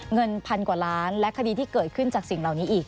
เงินพันกว่าล้านและคดีที่เกิดขึ้นจากสิ่งเหล่านี้อีก